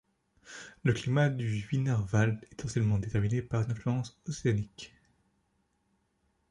Le climat du Wienerwald est essentiellement déterminé par une influence océanique.